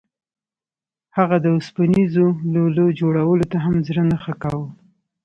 هغه د اوسپنیزو لولو جوړولو ته هم زړه نه ښه کاوه